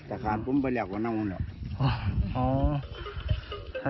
สับเบลอปุ้มไปแล้วกับน้องนี่